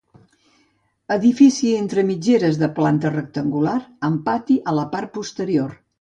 Edifici entre mitgeres de planta rectangular, amb pati a la part posterior.